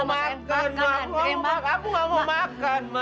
aku gak mau makan mak aku gak mau makan mak